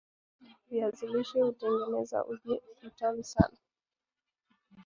Viazi lishe hutengeneza uji mtamu sana